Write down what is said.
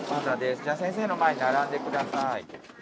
じゃあ先生の前に並んでください。